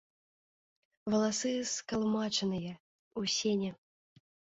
Валасы скалмачаныя, у сене.